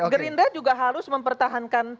gerindra juga halus mempertahankan